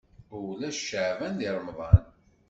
Ulac ceεban deg remḍan.